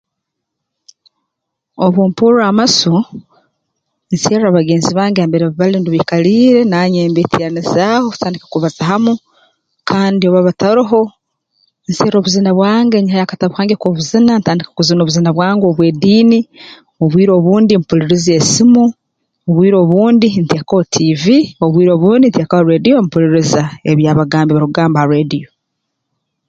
Obu mpurra amasu nserra bagenzi bange ha mbere bali rundi baikaliire nanye mbeeteeranizaaho tutandika kubaza hamu kandi obu baba bataroho nserra obuzina bwange nyihayo akatabu kange k'obuzina ntandika kuzina obuzina bwange obw'ediini obwire obundi mpuliriza esimu obwire obundi nteekaho tiivi obwire obundi nteekaho rreediyo mpuliriza ebi abagambi barukugamba ha rreediyo